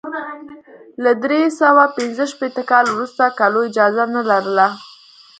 له درې سوه پنځه شپېته کال وروسته کلو اجازه نه لرله.